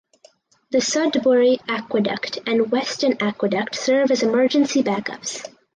The Sudbury Aqueduct and Weston Aqueduct serve as emergency backups.